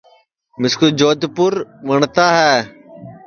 مِسکُو جودپُور وٹؔتا ہے